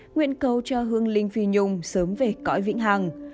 nguyện cầu cho hương linh phi nhung sớm về cõi vĩnh hằng